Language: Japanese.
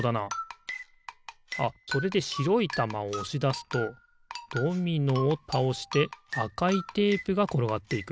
あっそれでしろいたまをおしだすとドミノをたおしてあかいテープがころがっていく。